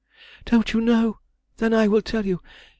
"Don't you know? then I will tell you.